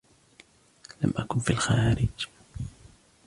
لم أكن في الخارج.